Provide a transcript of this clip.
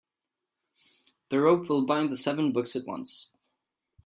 The rope will bind the seven books at once.